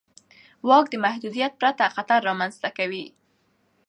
واک د محدودیت پرته خطر رامنځته کوي.